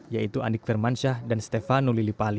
yaitu andik firmansyah dan stefano lilipali